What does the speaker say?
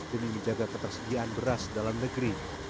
demi menjaga ketersediaan beras dalam negeri